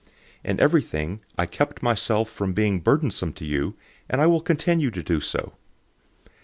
In everything I kept myself from being burdensome to you, and I will continue to do so.